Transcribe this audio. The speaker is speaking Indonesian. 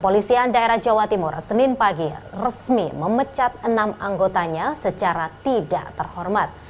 polisian daerah jawa timur senin pagi resmi memecat enam anggotanya secara tidak terhormat